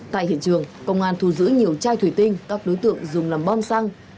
tại hiện trường công an thu giữ nhiều chai thủy tinh các đối tượng dùng làm bom xăng